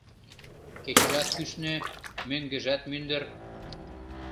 Кечыжат кӱшнӧ, мӧҥгыжат мӱндыр